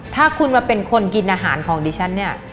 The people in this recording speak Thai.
ถ้าคุณมาเป็นคนกินอาหารของดิฉันเนี่ย